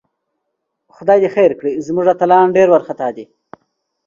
خدای دې خیر کړي، زموږ اتلان ډېر وارخطاء دي